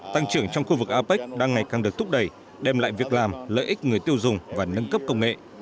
tăng trưởng trong khu vực apec đang ngày càng được thúc đẩy đem lại việc làm lợi ích người tiêu dùng và nâng cấp công nghệ